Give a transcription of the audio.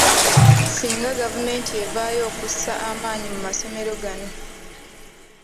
Singa gavumenti evaayo okussa amaanyi mu masomero gano.